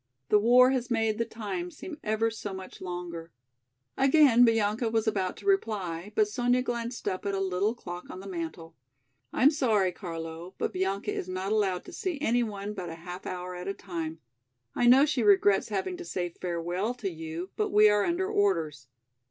The war has made the time seem ever so much longer." Again Bianca was about to reply, but Sonya glanced up at a little clock on the mantel. "I am sorry, Carlo, but Bianca is not allowed to see any one but a half hour at a time. I know she regrets having to say farewell to you, but we are under orders.